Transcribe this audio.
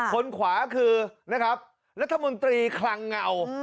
คนขวาคือนะครับรัฐมนตรีคลังเงา